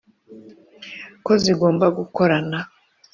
ko zigomba gukorana